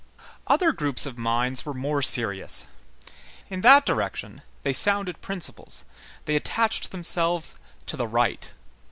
Other groups of minds were more serious. In that direction, they sounded principles, they attached themselves to the right.